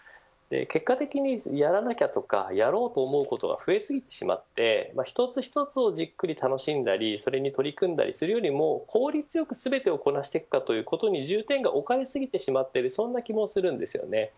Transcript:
結果的にやらなきゃとかやろうと思うことが増えすぎてしまって一つ一つをじっくり楽しんだりそれに取り組んだりするよりも効率よく全てをこなしていくかということに重点が置かれ過ぎてしまっている気もするんですよね。